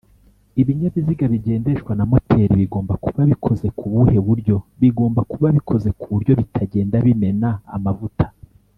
Ibinyabiziga bigendeshwa na moteri bigomba kuba bikoze kubuhe buryo?bigomba kuba bikoze kuburyo bitagenda bimena amavuta